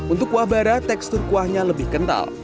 untuk kuah bara tekstur kuahnya lebih kental